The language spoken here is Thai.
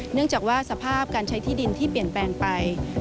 เนื่องจากว่าสภาพการใช้ที่ดินที่เปลี่ยนแปลงไป